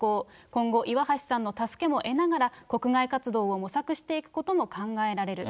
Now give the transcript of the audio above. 今後、岩橋さんの助けも得ながら、国外活動を模索していくことも考えられる。